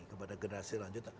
kepada generasi lanjut